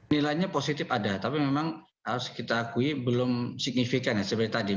nilainya positif ada tapi memang harus kita akui belum signifikan ya seperti tadi